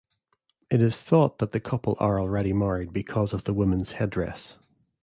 It is thought that the couple are already married because of the woman's headdress.